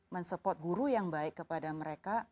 men support guru yang baik kepada mereka